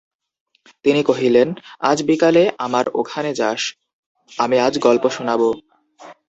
তিনি কহিলেন, আজ বিকালে আমার ওখানে যাস, আমি আজ গল্প শোনাব।